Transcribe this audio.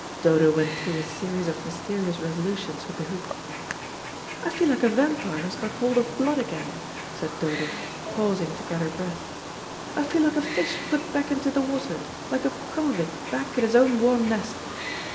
Dodo went through a series of mysterious revolutions with the hoop. "I feel like a vampire who's got hold of blood again," said Dodo, pausing to get her breath. "I feel like a fish put back into the water, like a convict back in his own warm nest.